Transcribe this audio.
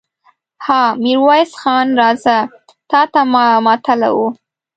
ها! ميرويس خان! راځه، تاته ماتله وو.